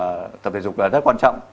thì tập thể dục là rất quan trọng